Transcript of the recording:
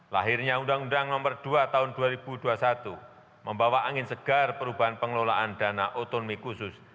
lahirnya undang undang nomor dua tahun dua ribu dua puluh satu membawa angin segar perubahan pengelolaan dana otonomi khusus